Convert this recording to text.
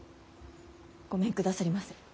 ごめんくださりませ。